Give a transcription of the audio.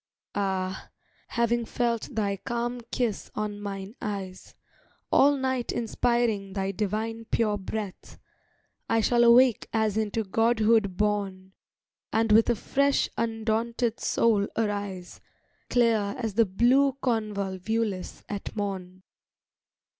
Ah, having felt thy calm kiss on mine eyes, All night inspiring thy divine pure breath, I shall awake as into godhood born, And with a fresh, undaunted soul arise, Clear as the blue convolvulus at morn.